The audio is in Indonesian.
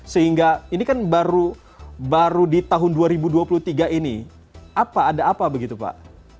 sehingga ini kan baru di tahun dua ribu dua puluh tiga ini apa ada apa begitu pak